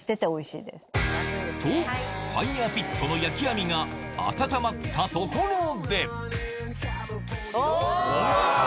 とファイヤーピットの焼き網が温まったところでお！